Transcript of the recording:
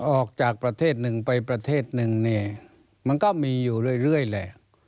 ออกจากประเทศหนึ่งไปประเทศหนึ่งเนี่ยมันก็มีอยู่เรื่อยแหละ